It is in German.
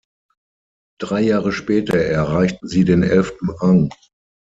Drei Jahre später erreichten sie den elften Rang.